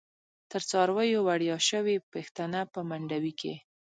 تر څارویو وړیاشوی، پیښتنه په منډوی کی